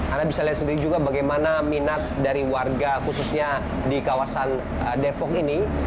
anda bisa lihat sendiri juga bagaimana minat dari warga khususnya di kawasan depok ini